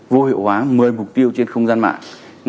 vô hiệu hóa một mươi mục tiêu trên không gian mạng